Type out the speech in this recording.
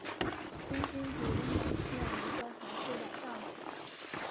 新君主仍然需要一个合适的丈夫。